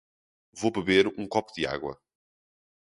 Vou beber um copo de água.